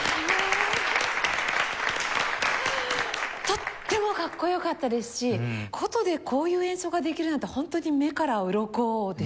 とってもかっこ良かったですし箏でこういう演奏ができるなんてホントに目からうろこでしたね。